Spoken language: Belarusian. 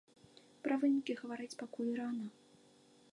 Пра вынікі гаварыць пакуль рана.